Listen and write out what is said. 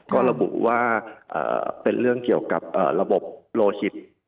ก็ระบุว่าเป็นเรื่องเกี่ยวกับระบบโลหิต